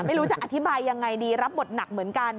ไม่รู้จะอธิบายยังไงดีรับบทหนักเหมือนกัน